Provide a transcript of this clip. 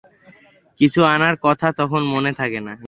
কিছু আনার কথা তখন মনে থাকে না।